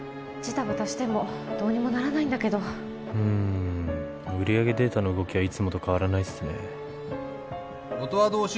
ジタバタしてもどうにもならないんだけどうん売上データの動きはいつもと変わらないっすね音羽堂